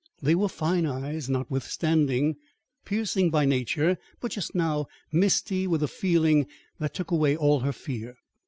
They were fine eyes notwithstanding, piercing by nature but just now misty with a feeling that took away all her fear.